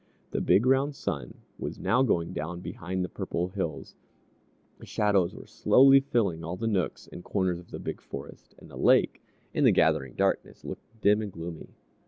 The big, round sun was now going down behind the purple hills, the shadows were slowly filling all the nooks and corners of the big forest, and the lake, in the gathering darkness, looked dim and gloomy.